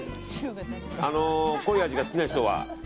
濃い味が好きな人は。